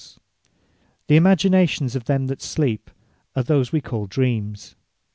Dreams The imaginations of them that sleep, are those we call Dreams.